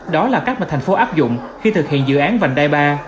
đó là các thành phố áp dụng khi thực hiện dự án vành đài ba